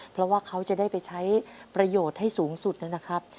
เพราะว่าเขาจะได้ไปใช้ประโยชน์ให้สูงสุดนะครับ